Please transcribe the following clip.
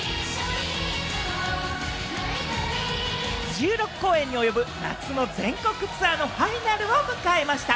１６公演に及ぶ夏の全国ツアーのファイナルを迎えました。